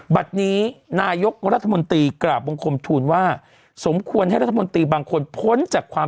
บัตรนี้นายกรัฐมนตรีกราบบังคมทูลว่าสมควรให้รัฐมนตรีบางคนพ้นจากความ